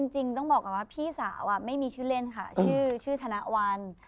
จริงต้องบอกก่อนว่าพี่สาวไม่มีชื่อเล่นค่ะชื่อธนวัล